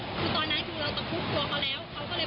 คือตอนนั้นคือเราต้องพลุกตัวเขาแล้ว